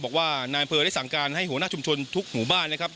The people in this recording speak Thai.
บอกว่านายอำเภอได้สั่งการให้หัวหน้าชุมชนทุกหมู่บ้านนะครับ